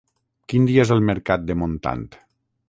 Quin dia és el mercat de Montant?